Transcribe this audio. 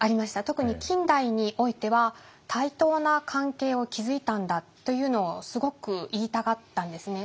特に近代においては対等な関係を築いたんだというのをすごく言いたがったんですね。